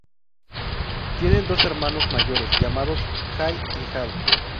Tiene dos hermanos mayores llamados Hay y Hal.